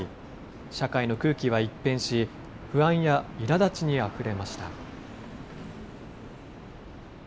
社会の空気は一変し、不安やいらだちにあふれました。